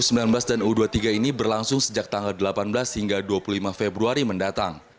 u sembilan belas dan u dua puluh tiga ini berlangsung sejak tanggal delapan belas hingga dua puluh lima februari mendatang